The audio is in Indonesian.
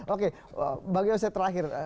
oke bang yose terakhir